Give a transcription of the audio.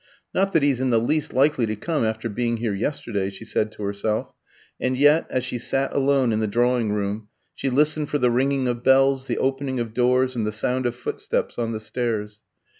"Not that he's in the least likely to come after being here yesterday," she said to herself; and yet, as she sat alone in the drawing room, she listened for the ringing of bells, the opening of doors, and the sound of footsteps on the stairs.